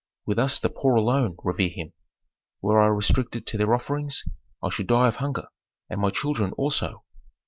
With us the poor alone revere him. Were I restricted to their offerings I should die of hunger, and my children also."